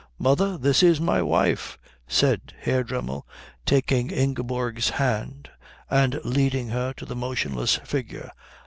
"Mother, this is my wife," said Herr Dremmel, taking Ingeborg's hand and leading her to the motionless figure.